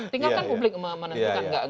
tinggalkan publik menentukan